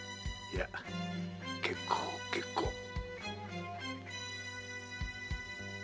いや結構結構。